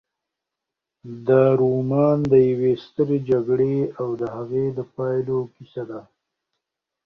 دا رومان د یوې سترې جګړې او د هغې د پایلو کیسه ده.